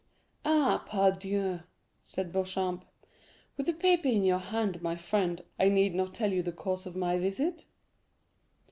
"Ah, pardieu!" said Beauchamp, "with the paper in your hand, my friend, I need not tell you the cause of my visit."